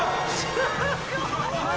すごい！